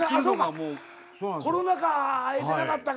コロナ禍会えてなかったから。